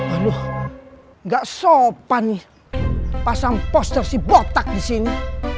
aduh gak sopan pasang poster si botak disini